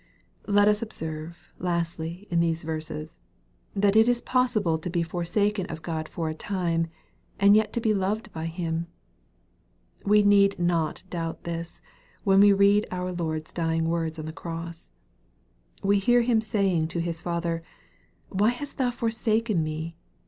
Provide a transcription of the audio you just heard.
Let us observe, lastly, in these verses, that it is possible to be forsaken of God for a time, and yet to be loved by Him. We need not doubt this, when we read our Lord's dying words on the cross. We hear Him saying to His Father, " Why hast thou forsaken me